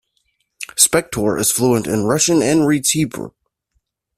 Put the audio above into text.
Spektor is fluent in Russian and reads Hebrew.